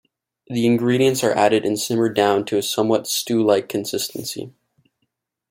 The ingredients are added and simmered down to a somewhat stewlike consistency.